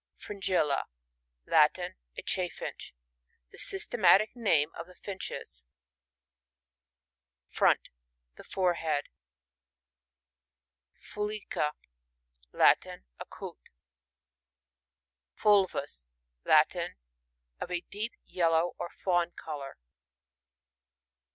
Fringilla — Latin. AChufHnch. The systematic name of the Finches. Front. — The forehead. FuLicA. — Latin. A Coot Fulvus. — Latin. Of a deep ye11ow« or fawn colour.